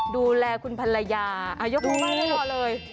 ดูแลคุณภรรยายกมาเลย